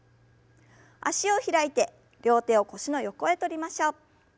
脚を開いて両手を腰の横へとりましょう。